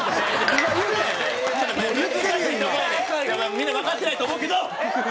みんなわかってないと思うけど！